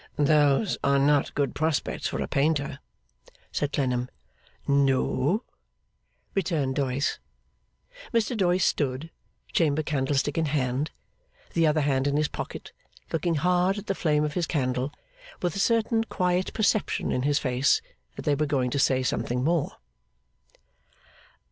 'Those are not good prospects for a painter,' said Clennam. 'No,' returned Doyce. Mr Doyce stood, chamber candlestick in hand, the other hand in his pocket, looking hard at the flame of his candle, with a certain quiet perception in his face that they were going to say something more.